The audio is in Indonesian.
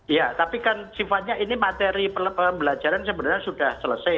iya tapi kan sifatnya ini materi pembelajaran sebenarnya sudah selesai